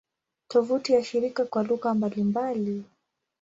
Tovuti ya shirika kwa lugha mbalimbali